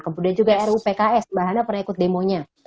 kemudian juga rupks mbak hana pernah ikut demonya